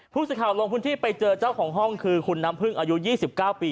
ผู้สื่อข่าวลงพื้นที่ไปเจอเจ้าของห้องคือคุณน้ำพึ่งอายุ๒๙ปี